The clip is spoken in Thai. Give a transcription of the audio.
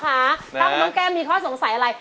ถ้าคุณน้องแก้มมีข้อสงสัยอะไร